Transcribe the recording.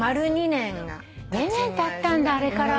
２年たったんだあれから。